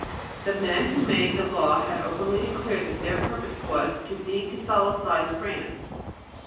The men who made the law had openly declared that their purpose was to decatholicize France.